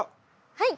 はい！